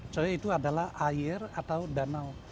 coyo itu adalah air atau danau